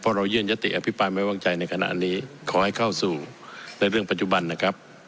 เพราะเรายื่นยติอภิปรายไม่วางใจในขณะนี้ขอให้เข้าสู่ในเรื่องปัจจุบันนะครับ